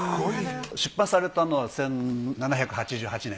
出版されたのは１７８８年。